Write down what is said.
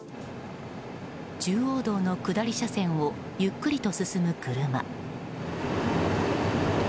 中央道の下り車線をゆっくりと進む車。